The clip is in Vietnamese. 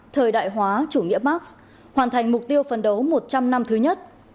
thời đại hóa chủ nghĩa marx hoàn thành mục tiêu phần đấu một trăm linh năm thứ nhất